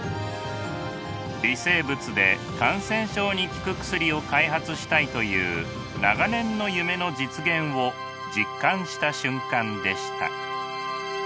微生物で感染症に効く薬を開発したいという長年の夢の実現を実感した瞬間でした。